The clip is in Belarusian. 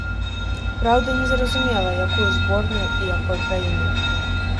Праўда, незразумела, якую зборную і якой краіны.